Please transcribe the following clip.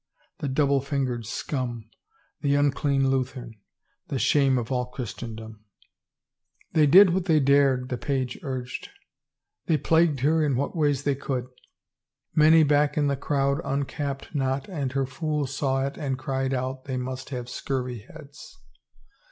The double fingered scimi! The unclean Lutheran! The shame of all Christendom !"" They did what they dared," the page urged. " They plagued her in what ways they could. Many back in the crowd uncapped not and her fool saw it and cried out they must have scurvy heads!